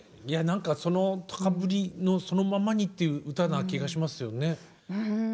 いや何かその高ぶりのそのままにという歌な気がしますよね。